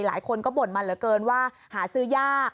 หลายคนก็บ่นมาเหลือเกินว่าหาซื้อยาก